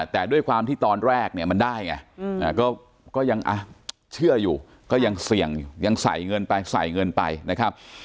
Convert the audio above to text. แต่ด้วยความที่ตอนแรกเนี่ยมันได้ไงก็ยังเชื่ออยู่ก็ยังเสี่ยงยังใส่เงินไปใส่เงินไปนะครับ